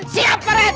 siap pak rehat